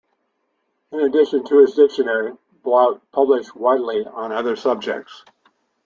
In addition to his dictionary, Blount published widely on other subjects.